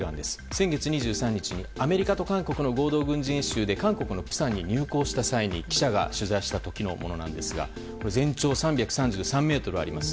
先月２３日にアメリカと韓国の合同軍事演習で韓国の釜山に入港した際に記者が取材したものですが全長３３３ｍあります。